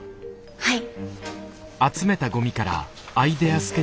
はい。